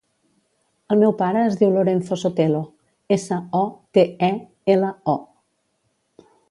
El meu pare es diu Lorenzo Sotelo: essa, o, te, e, ela, o.